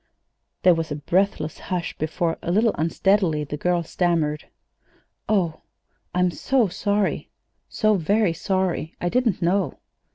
There was a breathless hush before, a little unsteadily, the girl stammered: "Oh, I'm so sorry so very sorry! I I didn't know."